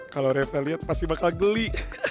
kalau reva liat pasti bakal geli